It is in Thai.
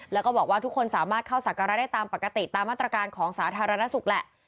แล้วก็บอกว่าทุกคนสามารถเข้าสักการะได้ตามปกติตามมาตรการของสาธารณสุขแหละ